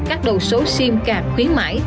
cắt đầu số sim cạp khuyến mãi